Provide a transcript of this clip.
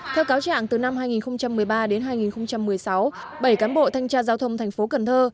theo cáo trạng từ năm hai nghìn một mươi ba đến hai nghìn một mươi sáu bảy cán bộ thanh tra giao thông thành phố cần thơ